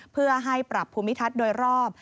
เพื่อให้ปรับภูมิทัศน์โดยรอบ